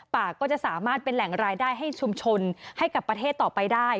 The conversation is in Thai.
ป่าก็จะสามารถเป็นแหล่งรายได้ให้ชุมชนให้กับประเทศต่อไปได้